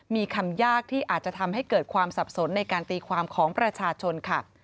มีคำยากที่อาจจะทำให้เกิดความสับสนในการตีความของประชาชนค่ะ